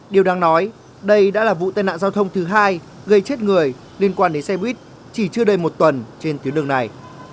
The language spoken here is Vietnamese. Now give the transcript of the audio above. điều đáng nói đây đã là vụ tai nạn giao thông thứ hai gây chết người liên quan đến xe buýt chỉ chưa đầy một tuần trên tuyến đường này